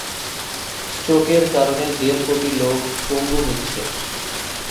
স্ট্রোকের কারণে দেড় কোটি লোক পঙ্গু হচ্ছে।